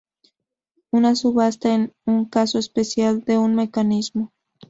Una subasta es un caso especial de un mecanismo.